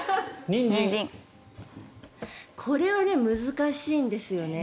これは難しいんですよね。